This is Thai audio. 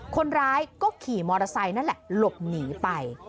คนร้ายก็ขี่มอเตอร์ไซค์นั่นแหละหลบหนีไป